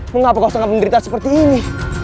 mengapa kau sangat menderita seperti ini